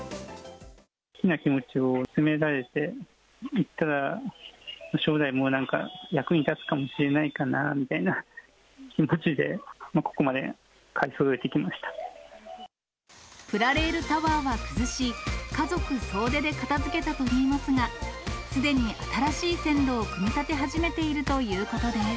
好きな気持ちを突き詰められて、将来なんかもう役に立つかもしれないかなみたいな気持ちで、プラレールタワーは崩し、家族総出で片づけたといいますが、すでに新しい線路を組み立て始めているということです。